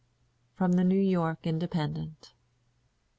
_From the New York Independent.